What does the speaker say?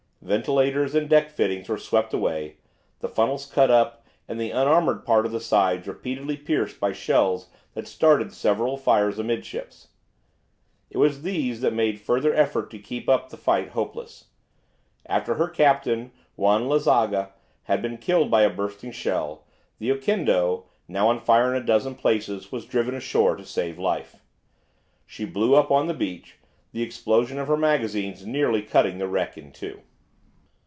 Ventilators and deck fittings were swept away, the funnels cut up, and the unarmoured part of the sides repeatedly pierced by shells that started several fires amidships. It was these that made further effort to keep up the fight hopeless. After her captain, Juan Lazaga, had been killed by a bursting shell, the "Oquendo," now on fire in a dozen places, was driven ashore to save life. She blew up on the beach, the explosion of her magazines nearly cutting the wreck in two.